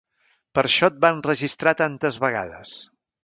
Per això et va entrevistar tantes vegades.